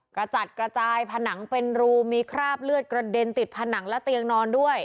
กระจัดกระจายผนังเป็นรูมีคราบเลือดกระเด็นติดผนังและเตียงนอนด้วย